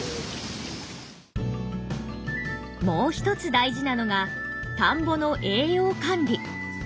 もう一つ大事なのが田んぼの栄養管理。